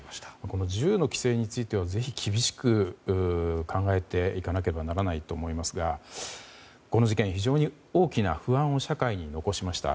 この銃の規制についてはぜひ厳しく考えていかなければならないと思いますがこの事件、非常に大きな不安を社会に残しました。